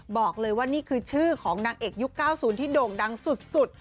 บอกเลยว่านี่คือชื่อของนางเอกยุค๙๐ที่โด่งดังสุด